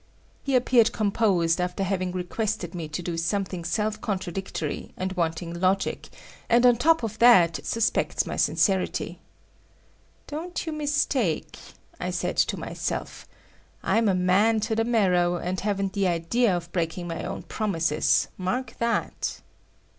He appeared composed after having requested me to do something self contradictory and wanting logic, and on top of that suspects my sincerity. "Don't you mistake," I said to myself, "I'm a man to the marrow, and haven't the idea of breaking my own promises; mark that!"